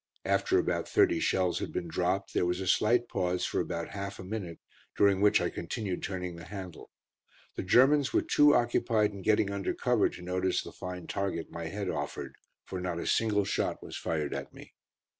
After about thirty shells had been dropped there was a slight pause for about half a minute, during which I continued turning the handle. The Germans were too occupied in getting under cover to notice the fine target my head offered, for not a single shot was fired at me.